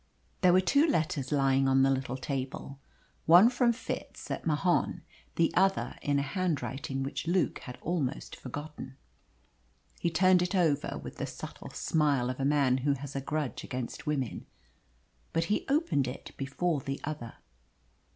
There were two letters lying on the little table. One from Fitz at Mahon, the other in a handwriting which Luke had almost forgotten. He turned it over with the subtle smile of a man who has a grudge against women. But he opened it before the other.